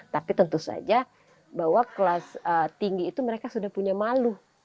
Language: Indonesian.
tapi tentu saja bahwa kelas tinggi itu mereka sudah punya malu